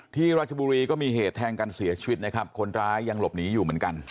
ราชบุรีก็มีเหตุแทงกันเสียชีวิตนะครับคนร้ายยังหลบหนีอยู่เหมือนกัน